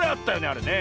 あれね。